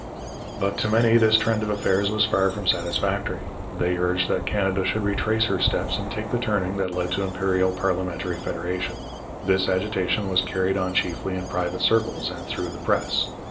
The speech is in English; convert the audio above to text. But to many this trend of affairs was far from satisfactory. They urged that Canada should retrace her steps and take the turning that led to imperial parliamentary federation. This agitation was carried on chiefly in private circles and through the press.